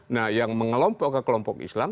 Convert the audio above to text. nah yang mengelompok ke kelompok islam